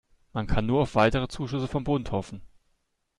Man kann nur auf weitere Zuschüsse vom Bund hoffen.